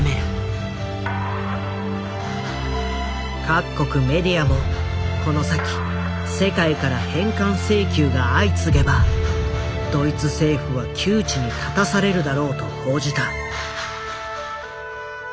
各国メディアもこの先世界から返還請求が相次げばドイツ政府は窮地に立たされるだろうと報じた。